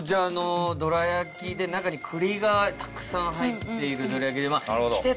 どら焼きで中に栗がたくさん入っているどら焼きで。